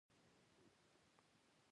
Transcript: هر شرکت د ښه نوم جوړولو اړتیا لري.